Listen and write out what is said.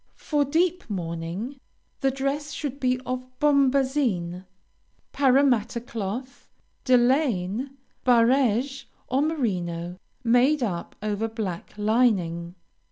For deep mourning, the dress should be of bombazine, Parramatta cloth, delaine, barege, or merino, made up over black lining.